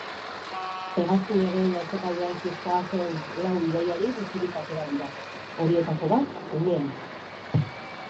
Hegazkinaren atzealdean zihoazen lau bidaiari bizirik atera dira, horietariko bat umea da.